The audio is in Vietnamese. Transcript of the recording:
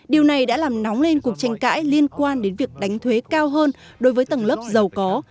điều này đã làm nóng lên cuộc tranh cãi liên quan đến việc đánh thuế cao hơn đối với tầng lớp giàu có